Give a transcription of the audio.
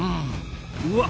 うわ！